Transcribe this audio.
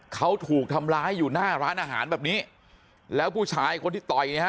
เขาถูกทำร้ายอยู่หน้าร้านอาหารแบบนี้แล้วผู้ชายคนที่ต่อยเนี่ยฮะ